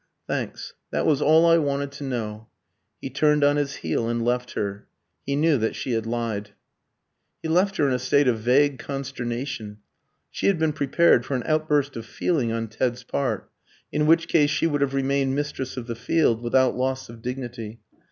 "Thanks. That was all I wanted to know." He turned on his heel and left her. He knew that she had lied. He left her in a state of vague consternation. She had been prepared for an outburst of feeling on Ted's part, in which case she would have remained mistress of the field without loss of dignity.